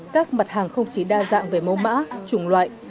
các mặt hàng không chỉ đa dạng về mẫu mã chủng loại